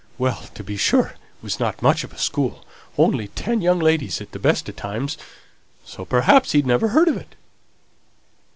Well, to be sure, it wasn't much of a school only ten young ladies at the best o' times; so perhaps he never heard of it."